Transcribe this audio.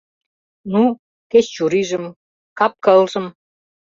Ну, кеч чурийжым, кап-кылжым?